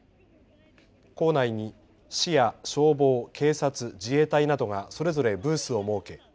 校内に市や消防、警察、自衛隊などがそれぞれブースを設け